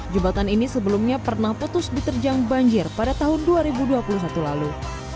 jembatan ini sebelumnya pernah putus diterjang banjir pada tahun dua ribu dua puluh satu lalu